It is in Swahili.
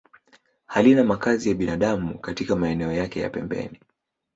Halina makazi ya binadamu katika maeneo yake ya pembeni